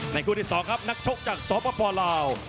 ในกู้ที่สองครับนักชกจากสอปป่อลาว